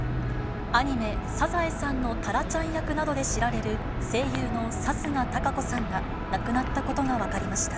アニメ、サザエさんのタラちゃん役などで知られる声優の貴家堂子さんが亡くなったことが分かりました。